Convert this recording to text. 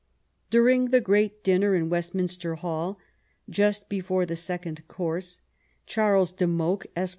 During the great dinner in Westminster Hall, "just before the second course, Charles Dymoke, Esq.